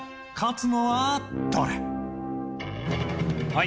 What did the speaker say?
はい。